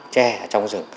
tre ở trong rừng